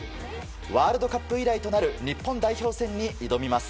ワールドカップ以来となる日本代表戦に挑みます。